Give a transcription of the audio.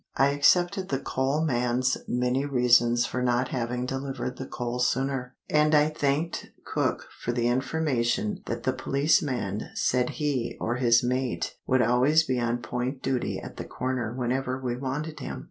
I accepted the coal man's many reasons for not having delivered the coal sooner; and I thanked cook for the information that the policeman said he or his mate would always be on point duty at the corner whenever we wanted him.